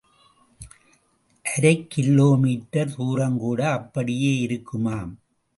அரை kilometre துரங்கூட அப்படியே இருக்குமாம்.